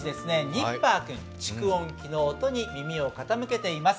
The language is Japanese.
ニッパー君、蓄音機の音に耳を傾けています。